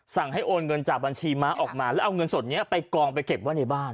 สั่งให้โอนเงินจากบัญชีม้าออกมาแล้วเอาเงินสดนี้ไปกองไปเก็บไว้ในบ้าน